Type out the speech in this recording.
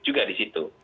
juga di situ